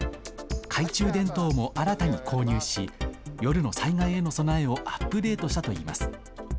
懐中電灯も新たに購入し夜の災害への備えをアップデートしたといいます。